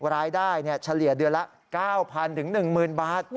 รายได้เฉลี่ยเดือนละ๙๐๐๐บาทถึง๑๐๐๐บาท